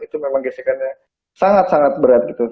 itu memang gesekannya sangat sangat berat gitu